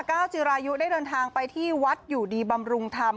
จิรายุได้เดินทางไปที่วัดอยู่ดีบำรุงธรรม